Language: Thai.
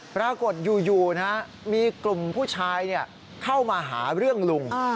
ปรากฏอยู่มีกลุ่มผู้ชายเข้ามาหาเรื่องลุง